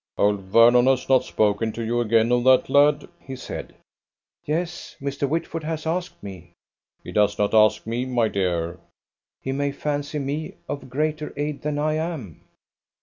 "Old Vernon has not spoken to you again of that lad?" he said. "Yes, Mr. Whitford has asked me." "He does not ask me, my dear!" "He may fancy me of greater aid than I am."